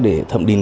để thậm định